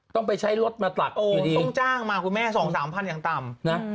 ต้องไปใช้รถมาตักต้องจ้างมาคุณแม่๒๓พันอย่างต่ำนะ